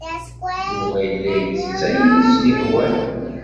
Yuba yella ittett ayen ay as-yehwan.